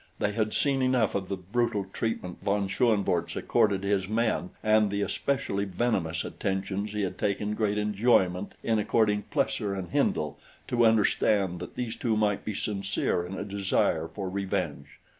They had seen enough of the brutal treatment von Schoenvorts accorded his men and the especially venomous attentions he had taken great enjoyment in according Plesser and Hindle to understand that these two might be sincere in a desire for revenge.